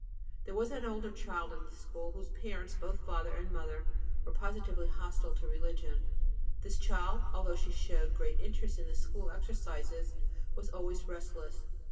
There was an older child in the school, whose parents, both father and mother, were positively hostile to religion. This child, although she showed great interest in the school exercises, was always restless.